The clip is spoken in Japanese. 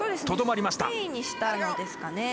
とどまりました。